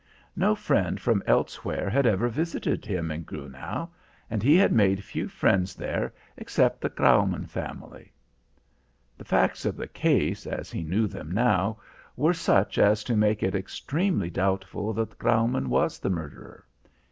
No friend from elsewhere had ever visited him in Grunau, and he had made few friends there except the Graumann family. The facts of the case, as he knew them now, were such as to make it extremely doubtful that Graumann was the murderer.